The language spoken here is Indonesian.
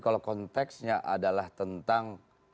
kalau konteksnya adalah tentang